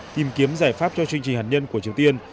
tìm kiếm giải pháp cho chương trình hạt nhân của triều tiên